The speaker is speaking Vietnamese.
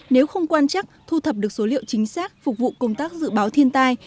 nếu không quan chắc thu thập được số liệu chính xác phục vụ công tác dự báo thiên tai